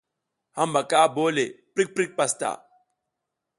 Hambaka bole le, prik prik pastaʼa.